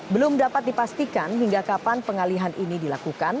belum dapat dipastikan hingga kapan pengalihan ini dilakukan